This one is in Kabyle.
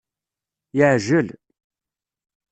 Yeɛjel.